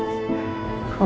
ibu tidur dulu